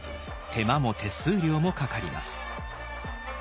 手間も手数料もかかります。